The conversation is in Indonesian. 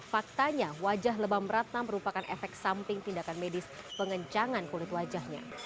faktanya wajah lebam ratna merupakan efek samping tindakan medis pengencangan kulit wajahnya